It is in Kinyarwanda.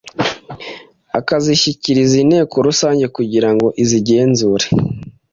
akazishyikiriza inteko rusange kugirango izigenzure